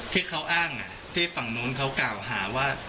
ที่เขาอ้างที่ฝั่งนู้นเขากล่าวหาว่า